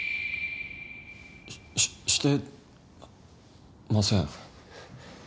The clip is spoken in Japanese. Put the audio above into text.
ししてません。